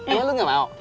eh lo gak mau